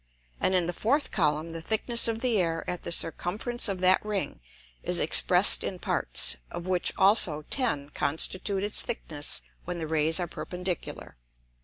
And in the fourth Column the Thickness of the Air at the Circumference of that Ring is expressed in Parts, of which also ten constitute its Thickness when the Rays are perpendicular.